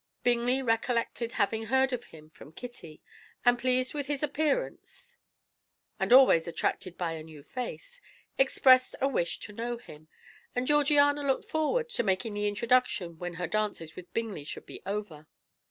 Bingley recollected having heard of him from Kitty, and pleased with his appearance, and always attracted by a new face, expressed a wish to know him, and Georgiana looked forward to making the introduction when her dances with Bingley should be over.